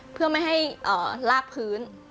ใช่ค่ะเพื่อไม่ให้ลากพื้น